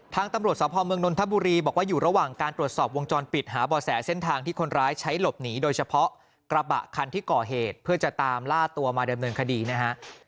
ตำรวจสภเมืองนนทบุรีบอกว่าอยู่ระหว่างการตรวจสอบวงจรปิดหาบ่อแสเส้นทางที่คนร้ายใช้หลบหนีโดยเฉพาะกระบะคันที่ก่อเหตุเพื่อจะตามล่าตัวมาดำเนินคดีนะฮะ